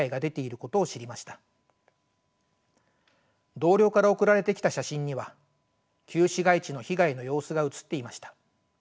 同僚から送られてきた写真には旧市街地の被害の様子が写っていました。